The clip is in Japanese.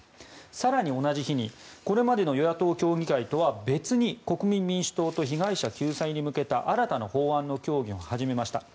更に同じ日に、これまでの与野党協議会とは別に国民民主党と被害者救済に向けた新たな法案の協議を始めました。